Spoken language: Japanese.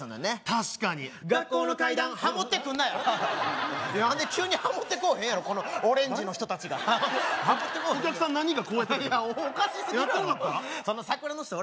確かに「学校の怪談」ハモってくんなよ何で急にハモってこうへんやろこのオレンジの人達がお客さん何人かこうやってるおかしすぎるやろやってなかった？